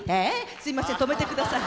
すみません止めてください。